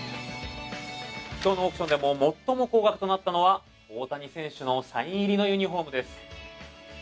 今日のオークションで最も高額となったのは大谷選手のサイン入りのユニホームです。